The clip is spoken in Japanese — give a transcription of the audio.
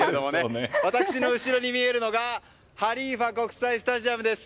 私の後ろに見えるのがハリーファ国際スタジアムです。